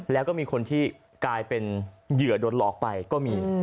แล้วก็มีคนที่กลายเป็นเหยื่อโดนหลอกไปก็มี